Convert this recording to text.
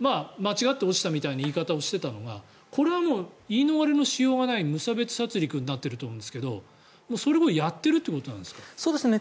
間違って落ちたみたいな言い方をしていたのがこれはもう言い逃れのしようがない無差別殺りくになっていると思うんですけどそれをやってるということなんですかね。